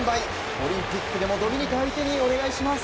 オリンピックでもドミニカ相手にお願いします。